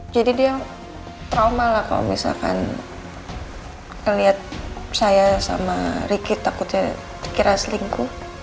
jadi dia trauma lah kalau misalkan liat saya sama riki takutnya kira selingkuh